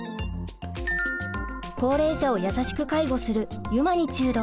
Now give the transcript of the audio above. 高齢者を優しく介護するユマニチュード。